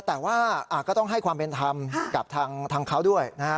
แต่ว่าก็ต้องให้ความเป็นธรรมกับทางเขาด้วยนะฮะ